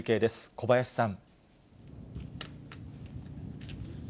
小林さん。